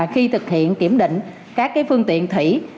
khi thực hiện kiểm định các phương tiện thủy